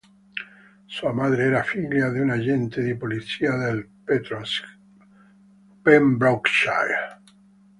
Sua madre era figlia di un agente di polizia del Pembrokeshire.